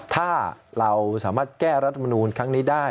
ถ้าเราสามารถแก้รัฐมนูลครั้งนี้ได้